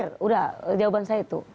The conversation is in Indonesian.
sudah jawaban saya itu